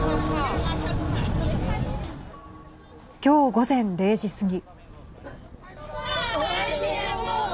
きょう午前０時過ぎ。